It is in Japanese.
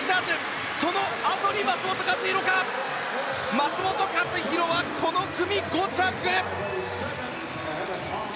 松元克央はこの組５着。